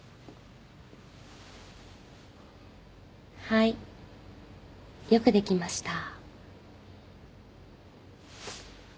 はいよくできました